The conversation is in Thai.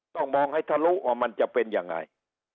ต้องมองให้ทะลุว่ามันจะเป็นยังไง